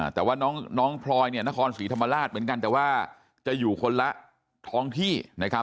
แต่ว่าน้องพลอยเนี่ยนครศรีธรรมราชเหมือนกันแต่ว่าจะอยู่คนละท้องที่นะครับ